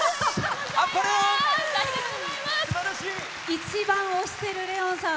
一番推してるレオンさん。